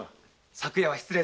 昨夜は失礼を。